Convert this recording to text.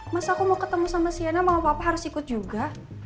masa aku mau ketemu sama sienna mama papa harus ikut juga